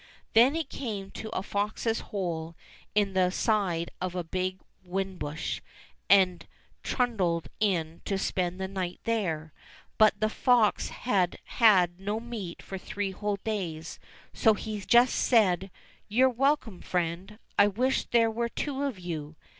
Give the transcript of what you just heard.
Then it came to a fox's hole in the side of a big whin bush and trundled in to spend the night there ; but the fox had had no meat for three whole days, so he just said, "You're welcome, friend ! I wish there were two of you